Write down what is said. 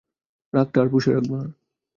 রাগটা আর পুষে রাখবো না।